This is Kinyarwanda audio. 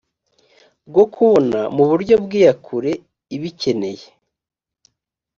bwo kubona muburyo bw iyakure ibikeneye